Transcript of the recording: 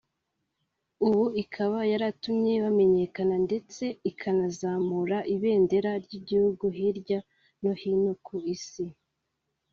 ubu ikaba yaratumye bamenyekana ndetse ikanazamura ibendera ry’igihugu hirya no hino ku isi